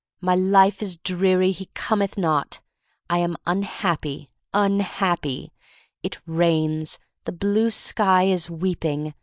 "My life is dreary — he cometh not." I am unhappy — unhappy. It rains. The blue sky is weeping.